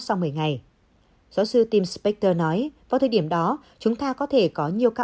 sau một mươi ngày giáo sư tim spactor nói vào thời điểm đó chúng ta có thể có nhiều ca